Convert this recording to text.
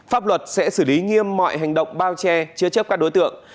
pháp luật sẽ xử lý nghiêm mọi hành động bao che chứa chấp các đối tượng